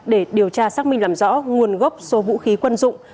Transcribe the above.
để điều tra xác minh làm rõ nguồn gốc số vũ khí quân dụng